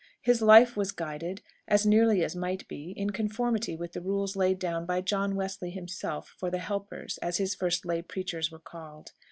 His life was guided, as nearly as might be, in conformity with the rules laid down by John Wesley himself for the helpers, as his first lay preachers were called.